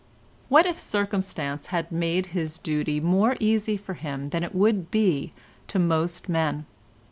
What if circumstances had made his duty more easy for him than it would be to most men?